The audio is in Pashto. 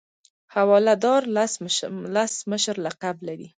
حواله دار لس مشر لقب لري.